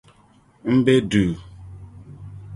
M be duu.